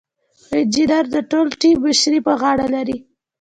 انجینر د ټول ټیم مشري په غاړه لري.